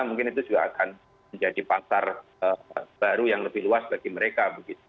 mungkin itu juga akan menjadi pasar baru yang lebih luas bagi mereka